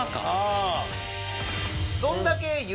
「どんだけぇ！」